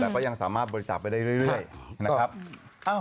แต่ก็ยังสามารถบริจาคไปได้เรื่อยนะครับ